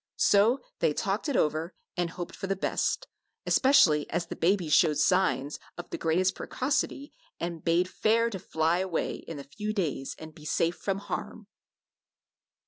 So they talked it over and hoped for the best, especially as the babies showed signs of the greatest precocity and bade fair to fly away in a few days and be safe from harm.